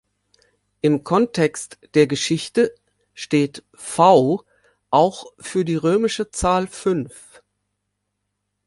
Im Kontext der Geschichte steht „V“ auch für die römische Zahl Fünf.